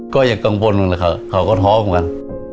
ก็อย่ากังวลหนึ่งเลยค่ะเขาก็ท้องกัน